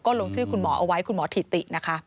ลงชื่อคุณหมอเอาไว้คุณหมอถิตินะคะ